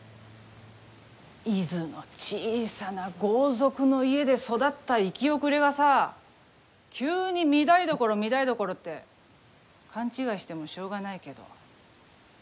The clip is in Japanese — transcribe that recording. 伊豆の小さな豪族の家で育った行き遅れがさ急に御台所、御台所って勘違いしてもしょうがないけど。